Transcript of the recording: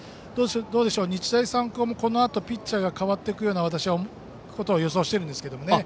どうでしょう、日大三高もこのあとピッチャーが代わっていくと私は予想してるんですけどね。